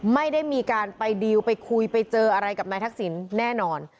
ไม่ได้มีการไปดีลไปคุยไปเจออะไรกับนายทักษิณแน่นอน